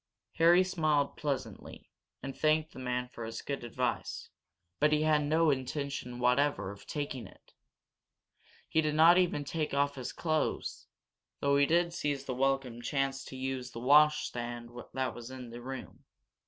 Harry smiled pleasantly, and thanked the man for his good advice. But he had no intention whatever of taking it. He did not even take off his clothes, though he did seize the welcome chance to us the washstand that was in the room.